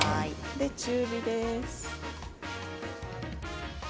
中火です。